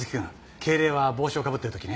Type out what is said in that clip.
敬礼は帽子をかぶってる時ね。